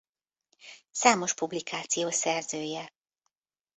Számos publikáció szerzője.